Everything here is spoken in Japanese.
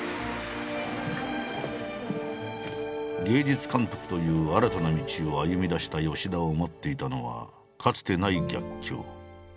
芸術監督という新たな道を歩みだした吉田を待っていたのはかつてない逆境。